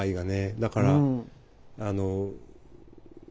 だからあの。